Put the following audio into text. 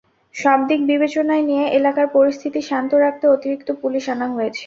সবদিক বিবেচনায় নিয়ে এলাকার পরিস্থিতি শান্ত রাখতে অতিরিক্ত পুলিশ আনা হয়েছে।